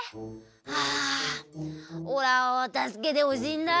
はあおらをたすけてほしいんだ。